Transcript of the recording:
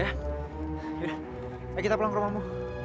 yaudah ayo kita pulang ke rumahmu